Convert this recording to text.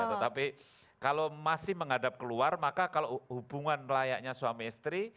tetapi kalau masih menghadap keluar maka kalau hubungan layaknya suami istri